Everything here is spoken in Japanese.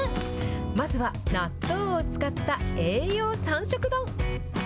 まずは納豆を使った栄養３色丼。